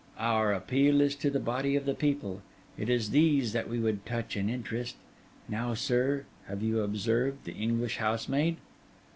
Our appeal is to the body of the people; it is these that we would touch and interest. Now, sir, have you observed the English housemaid?